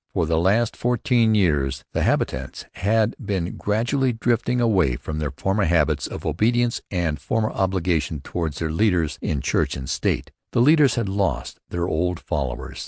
For the last fourteen years the habitants had been gradually drifting away from their former habits of obedience and former obligations towards their leaders in church and state. The leaders had lost their old followers.